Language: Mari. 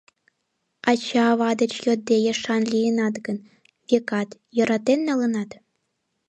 Ача-ава деч йодде ешан лийынат гын, векат, йӧратен налынат?